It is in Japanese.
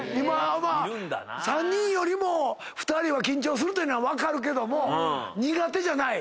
３人よりも２人は緊張するというのは分かるけども苦手じゃない。